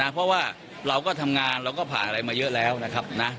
เพราะว่าเราก็ทำงานเราก็ผ่านอะไรมาเยอะแล้วนะครับ